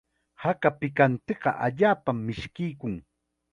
Haka pikantiqa allaapam mishkiykun.